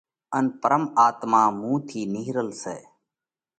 ان پرم آتما موئين ٿِي نِيھرل سئہ